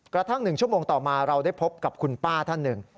กระทั่ง๑ชั่วโมงต่อมาเราได้พบกับคุณป้าท่านหนึ่ง